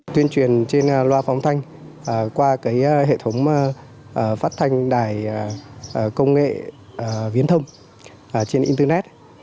tuyên truyền trên loa phóng thanh qua hệ thống phát thanh đài công nghệ viễn thông trên internet